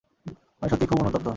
আমি সত্যিই খুব অনুতপ্ত।